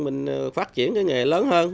mình phát triển cái nghề lớn hơn